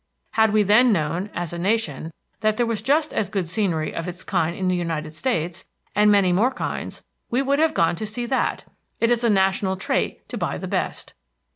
Had we then known, as a nation, that there was just as good scenery of its kind in the United States, and many more kinds, we would have gone to see that; it is a national trait to buy the best.